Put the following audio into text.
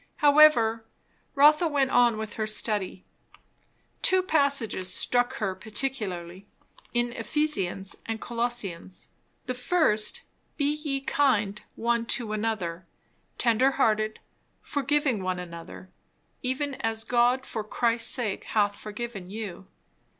However, Rotha went on with her study. Two passages struck her particularly, in Ephesians and Colossians. The first "Be ye kind one to another, tender hearted, forgiving one another, even as God for Christ's sake hath forgiven you."